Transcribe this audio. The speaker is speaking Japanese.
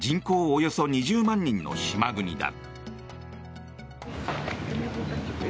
およそ２０万人の島国だ。